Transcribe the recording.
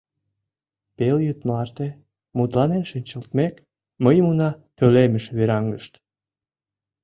Пелйӱд марте мутланен шинчылтмек, мыйым уна пӧлемыш вераҥдышт.